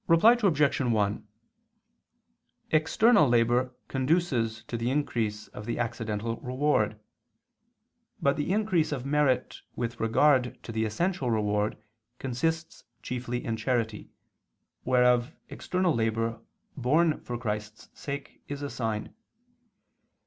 Reply Obj. 1: External labor conduces to the increase of the accidental reward; but the increase of merit with regard to the essential reward consists chiefly in charity, whereof external labor borne for Christ's sake is a sign.